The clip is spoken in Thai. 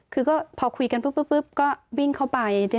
คือก็พอคุยกันปุ๊บก็วิ่งเข้าไป